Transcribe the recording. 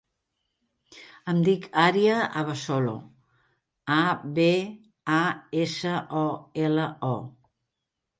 Em dic Aria Abasolo: a, be, a, essa, o, ela, o.